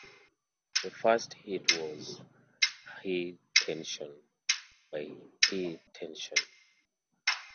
The first hit was "Hi Tension" by Hi Tension.